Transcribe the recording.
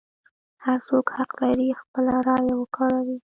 هر څوک حق لري خپله رایه وکاروي.